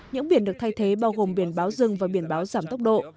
những biển được thay thế bao gồm biển báo rừng và biển báo giảm tốc độ